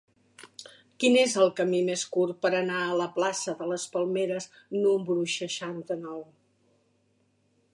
Quin és el camí més curt per anar a la plaça de les Palmeres número seixanta-nou?